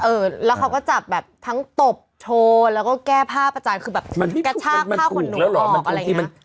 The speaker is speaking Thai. เออแล้วเขาก็จับแบบทั้งตบโทรแล้วก็แก้ผ้าประจานคือแบบมันไม่ถูกแล้วเหรอ